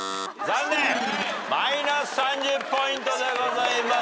マイナス３０ポイントでございます。